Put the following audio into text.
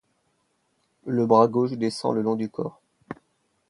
Le bras gauche descend le long du corps.